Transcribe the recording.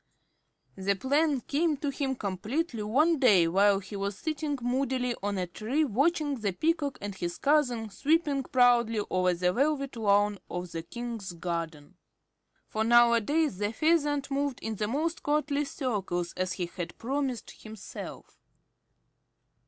The plan came to him completely one day while he was sitting moodily on a tree watching the Peacock and his cousin sweeping proudly over the velvet lawn of the King's garden. For nowadays the Pheasant moved in the most courtly circles, as he had promised himself.